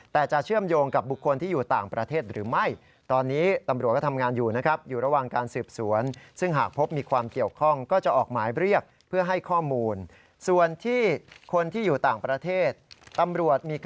แต่จะเชื่อมโยงกับบุคคลที่อยู่ต่างประเทศหรือไม่